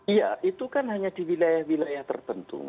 iya itu kan hanya di wilayah wilayah tertentu